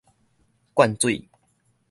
灌水